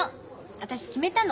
私決めたの。